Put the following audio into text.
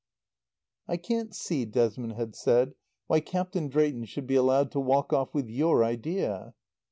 "I can't see," Desmond had said, "why Captain Drayton should be allowed to walk off with your idea."